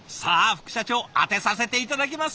副社長当てさせて頂きます！